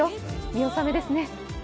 見納めですね。